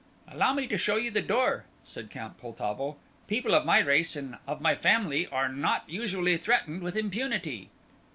"Allow me to show you the door," said Count Poltavo. "People of my race and of my family are not usually threatened with impunity."